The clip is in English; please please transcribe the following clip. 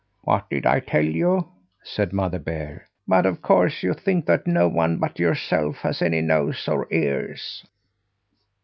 "What did I tell you?" said Mother Bear. "But of course you think that no one but yourself has any nose or ears!"